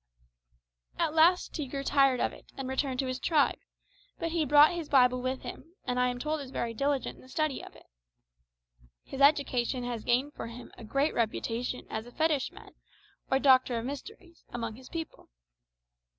At last he grew tired of it, and returned to his tribe; but he brought his Bible with him, and I am told is very diligent in the study of it. His education has gained for him a great reputation as a fetishman, or doctor of mysteries, among his people.